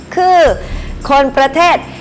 คือคนประเทศ